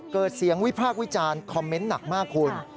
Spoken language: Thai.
เกิดเสียงวิพากษ์วิจารณ์คอมเมนต์หนักมากคุณ